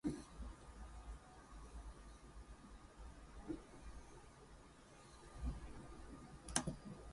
Third, the effect of the impairment far outweighed the importance of the law's objective.